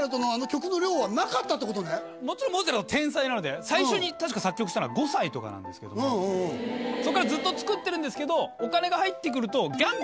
もちろんモーツァルトは天才なので最初に確か作曲したのは５歳とかなんですけどもそっからずっと作ってるんですけど。